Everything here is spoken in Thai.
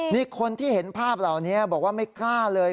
นี่คนที่เห็นภาพเหล่านี้บอกว่าไม่กล้าเลย